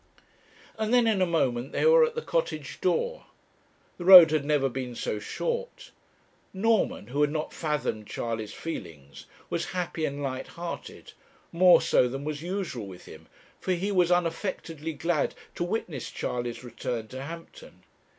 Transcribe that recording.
And then in a moment they were at the Cottage door. The road had never been so short. Norman, who had not fathomed Charley's feelings, was happy and light hearted more so than was usual with him, for he was unaffectedly glad to witness Charley's return to Hampton.